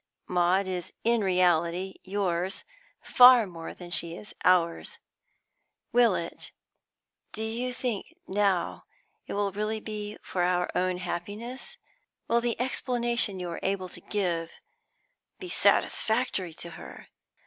Maud is in reality yours far more than she is ours. Will it do you think now it will really be for our own happiness? Will the explanation you are able to give be satisfactory to her?